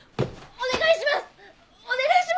お願いします。